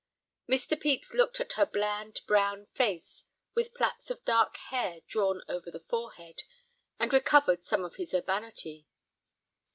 Mr. Pepys looked at her bland, brown face, with plaits of dark hair drawn over the forehead, and recovered some of his urbanity.